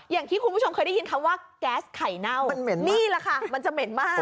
อย่างที่คุณผู้ชมเคยได้ยินคำว่าแก๊สไข่เน่านี่แหละค่ะมันจะเหม็นมาก